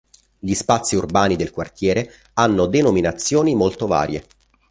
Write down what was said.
Gli spazi urbani del quartiere hanno denominazioni molto varie.